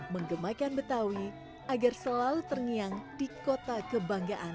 menggemakan betawi agar selalu terngiang di kota kebanggaan